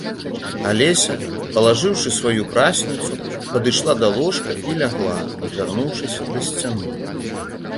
Алеся, палажыўшы сваю прасніцу, падышла да ложка і лягла, адвярнуўшыся да сцяны.